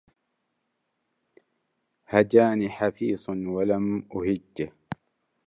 هجاني حفيص ولم أهجه